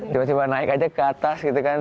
tiba tiba naik aja ke atas gitu kan